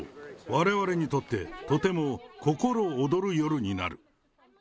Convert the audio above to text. われわれにとって、とても心躍る夜になる。